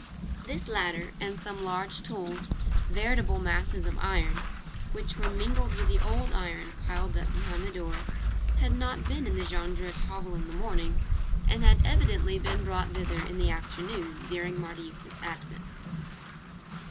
This ladder, and some large tools, veritable masses of iron, which were mingled with the old iron piled up behind the door, had not been in the Jondrette hovel in the morning, and had evidently been brought thither in the afternoon, during Marius' absence.